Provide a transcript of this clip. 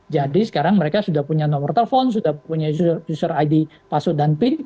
jadi sekarang mereka sudah punya nomor telepon sudah punya user id password dan pin